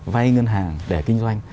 vay ngân hàng để kinh doanh